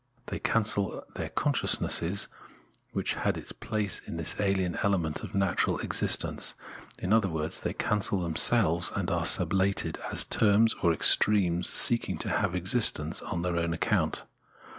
They cancel their consciousness which had its place in this ahen element of natural existence ; in other words, they cancel themselves and are sublated, as terms or extremes seeking to have existence on their own account.